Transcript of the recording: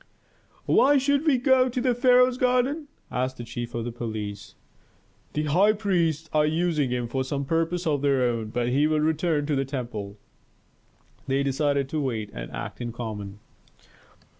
"Why should he go to the pharaoh's garden?" asked the chief of police. "The high priests are using him for some purpose of their own, but he will return to the temple." They decided to wait and act in common.